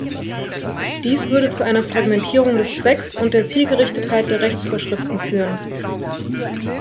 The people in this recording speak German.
Dies würde zu einer Fragmentierung des Zwecks und der Zielgerichtetheit der Rechtsvorschriften führen.